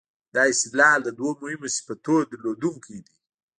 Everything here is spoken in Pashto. دا استدلال د دوو مهمو صفتونو لرونکی دی.